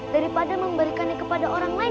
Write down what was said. daripada memberikannya kepada orang lain